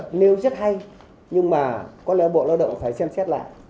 trong lượng nếu rất hay nhưng mà có lẽ bộ lao động phải xem xét lại